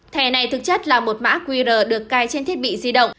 thẻ này thực chất là một mã qr được cài trên thiết bị di động